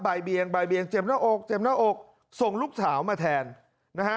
เบียงบ่ายเบียงเจ็บหน้าอกเจ็บหน้าอกส่งลูกสาวมาแทนนะฮะ